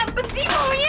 apa sih maunya